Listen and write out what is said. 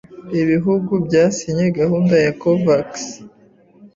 ibihugu byasinye gahunda ya Covax,